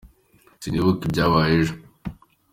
Sinibuka ibyabaye ejo.